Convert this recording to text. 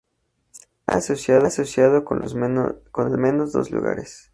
Se ha asociado con al menos dos lugares.